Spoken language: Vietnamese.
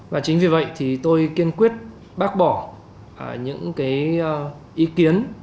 và chính vì vậy thì tôi kiên quyết bác bỏ những cái ý kiến